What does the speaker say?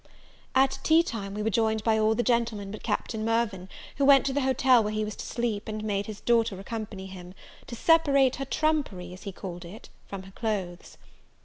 At tea time, we were joined by all the gentlemen but Captain Mirvan, who went to the hotel where he was to sleep, and made his daughter accompany him, to separate her trumpery, as he called it, from his clothes.